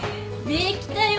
できたよ